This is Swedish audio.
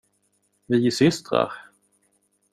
Vi är systrar!